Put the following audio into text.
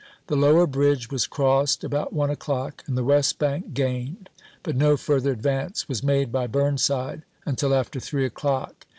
The lower bridge was crossed about one o'clock and the west bank gained, but no further advance was made by Burn side until after three o'clock.